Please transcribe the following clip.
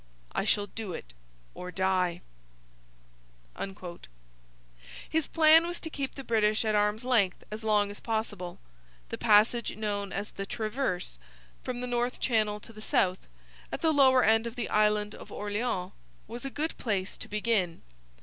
'I shall do it or die.' His plan was to keep the British at arm's length as long as possible. The passage known as the 'Traverse' from the north channel to the south, at the lower end of the Island of Orleans, was a good place to begin.